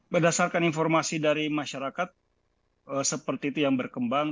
berdasarkan informasi dari masyarakat seperti itu yang berkembang